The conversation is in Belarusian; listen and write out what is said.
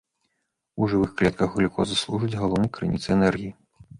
У жывых клетках глюкоза служыць галоўнай крыніцай энергіі.